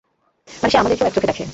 মানে সে আমাদেরকেও এক চোখে দেখে।